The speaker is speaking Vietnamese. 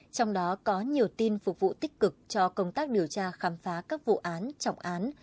trong đó có nhiều tin phục vụ tích cực cho công tác điều tra khám phá các vụ án trọng án